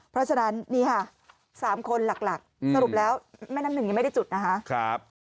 เพราะฉะนั้นนี่ค่ะ๓คนหลักสรุปแล้วแม่น้ำหนึ่งยังไม่ได้จุดนะคะ